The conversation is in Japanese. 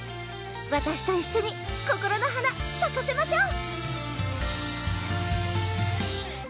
わたしと一緒にこころの花咲かせましょう！